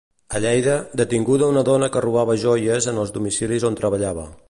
A Lleida, detinguda una dona que robava joies en els domicilis on treballava.